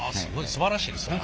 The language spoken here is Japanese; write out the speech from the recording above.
すばらしいですな。